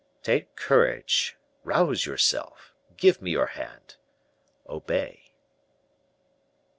Take courage, rouse yourself; give me your hand obey."